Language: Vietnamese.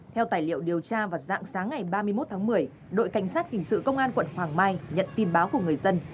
theo tài liệu điều tra vào dạng sáng ngày ba mươi một tháng một mươi đội cảnh sát hình sự công an quận hoàng mai nhận tin báo của người dân